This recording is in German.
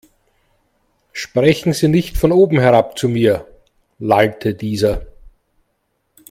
Sprechen Sie nicht von oben herab zu mir, lallte dieser.